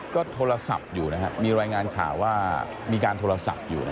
ก็โทรศัพท์อยู่นะครับมีรายงานข่าวว่ามีการโทรศัพท์อยู่